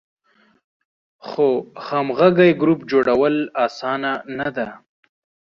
خو همغږی ګروپ جوړول آسانه نه ده.